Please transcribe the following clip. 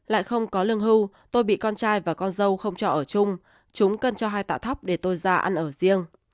lại không có lương hưu tôi bị con trai và con dâu không cho ở chung chúng cân cho hai tạ thóc để tôi ra ăn ở riêng